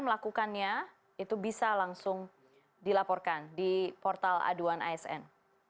melakukannya itu bisa langsung dilaporkan di portal aduan asn